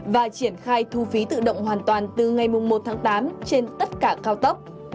và triển khai thu phí tự động hoàn toàn từ ngày một tháng tám trên tất cả cao tốc